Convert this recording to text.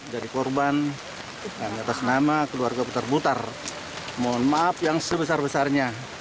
dari korban dan atas nama keluarga butar butar mohon maaf yang sebesar besarnya